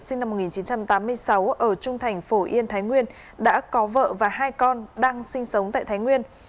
sinh năm một nghìn chín trăm tám mươi sáu ở trung thành phổ yên thái nguyên đã có vợ và hai con đang sinh sống tại thái nguyên